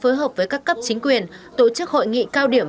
phối hợp với các cấp chính quyền tổ chức hội nghị cao điểm